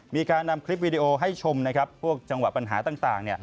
มีการนำคลิปวิดีโอให้ชมนะครับพวกจังหวะปัญหาต่าง